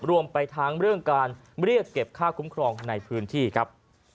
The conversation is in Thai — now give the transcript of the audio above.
รวมไปทั้งเรื่องการเรียกเก็บค่าคุ้มครองในพื้นที่ครับ